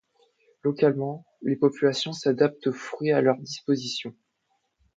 Localement les populations s'adaptent aux fruits à leur disposition.